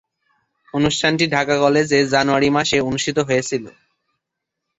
অনুষ্ঠানটি ঢাকা কলেজে জানুয়ারি মাসে অনুষ্ঠিত হয়েছিলো।